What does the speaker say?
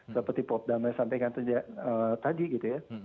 seperti prof damai sampaikan tadi gitu ya